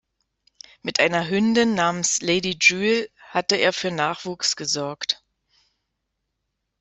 Mit einer Hündin namens Lady Jule hatte er für Nachwuchs gesorgt.